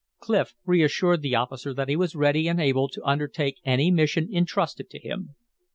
Clif reassured the officer that he was ready and able to undertake any mission intrusted to him.